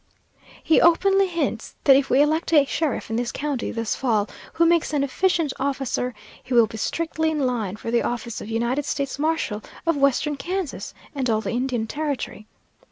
"He openly hints that if we elect a sheriff in this county this fall who makes an efficient officer, he will be strictly in line for the office of United States Marshal of western Kansas and all the Indian Territory.